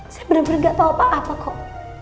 saya bener bener gak tau apa apa kok